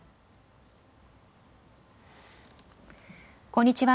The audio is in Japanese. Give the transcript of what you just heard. こんにちは。